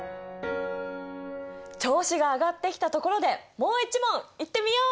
調子が上がってきたところでもう一問いってみよう！